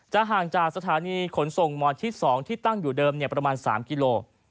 ห่างจากสถานีขนส่งหมอชิด๒ที่ตั้งอยู่เดิมประมาณ๓กิโล